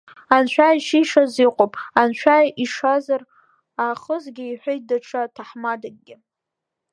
Анцәа ишишаз иҟоуп, Анцәа ишазар аахысгьы, – иҳәеит даҽа ҭаҳмадакгьы.